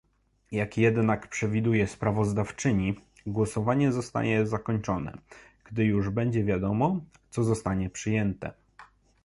Jak jednak przewiduje sprawozdawczyni, głosowanie zostanie zakończone, gdy już będzie wiadomo, co zostanie przyjęte